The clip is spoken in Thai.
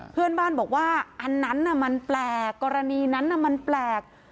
เพื่อนบ้านบอกว่าอันนั้นมันแปลกกรณีนั้นมันแปลก